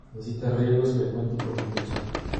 Necesita riegos frecuente y profundos.